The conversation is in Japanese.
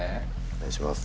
お願いします。